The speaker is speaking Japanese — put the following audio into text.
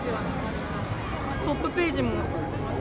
トップページも。